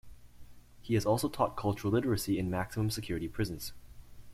He has also taught cultural literacy in maximum security prisons.